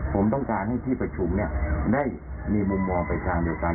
ผมต้องการให้ที่ประชุมได้มีมุมมองไปทางเดียวกัน